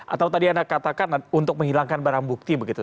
atau tadi anda katakan untuk menghilangkan barang bukti begitu